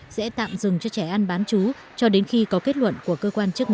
sẽ tạm dừng cho trẻ ăn bán chú cho đến khi có kết luận của cơ quan chức năng